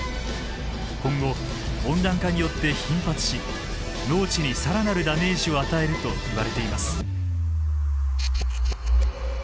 今後温暖化によって頻発し農地に更なるダメージを与えるといわれています。